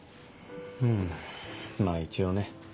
うんまぁ一応ね。